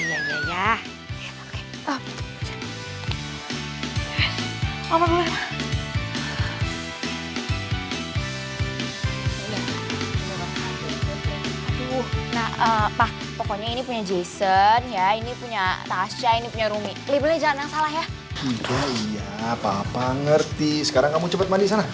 iya iya papa ngerti sekarang kamu cepet mandi sana